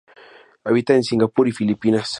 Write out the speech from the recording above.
Habita en Singapur y Filipinas.